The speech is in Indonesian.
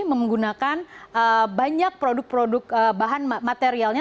menggunakan banyak produk produk bahan materialnya